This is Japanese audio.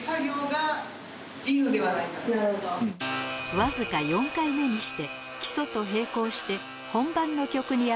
わずか４回目にして基礎と並行して本番のこちら